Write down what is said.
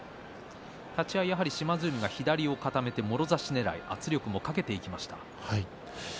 立ち合い島津海が左を固めてもろ差しねらいと圧力をかけていきました。